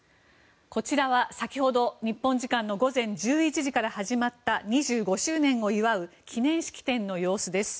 こちらは先ほど日本時間の午前１１時から始まった２５周年を祝う記念式典の様子です。